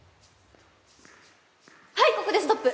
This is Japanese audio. はいここでストップ！